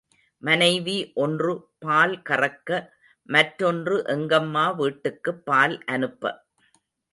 மனைவி ஒன்று பால் கறக்க மற்றொன்று எங்கம்மா வீட்டுக்குப் பால் அனுப்ப.